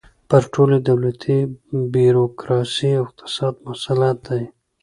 پر ټولې دولتي بیروکراسۍ او اقتصاد مسلط دی.